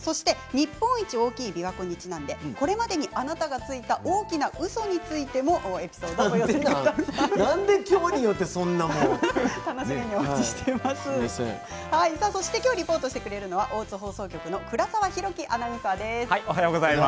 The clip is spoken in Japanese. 日本一大きい琵琶湖にちなんでこれまでついた大きなうそについてもなんで今日によってリポートしてくれるのは大津放送局の倉沢宏希アナウンサーです。